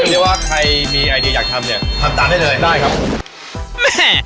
เรียกว่าใครมีไอเดียอยากทำเนี่ยทำตามได้เลยได้ครับผมแม่